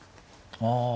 ああ。